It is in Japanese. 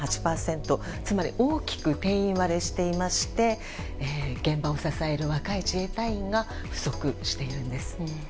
大きく定員割れしていまして現場を支える若い自衛隊員が不足しているんです。